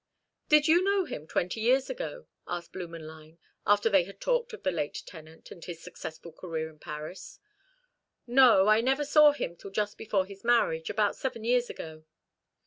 "Did you know him twenty years ago?" asked Blümenlein, after they had talked of the late tenant, and his successful career in Paris. "No, I never saw him till just before his marriage, about seven years ago."